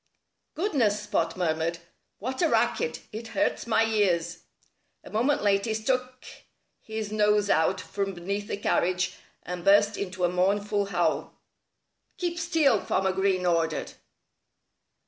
"Goodness!" Spot murmured. "What a racket! It hurts my ears." A moment later he stuck his nose out from beneath the carriage and burst into a mournful howl. "Keep still!" Farmer Green ordered.